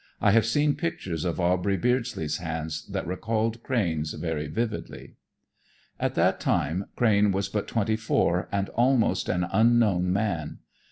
I have seen pictures of Aubrey Beardsley's hands that recalled Crane's very vividly. At that time Crane was but twenty four, and almost an unknown man.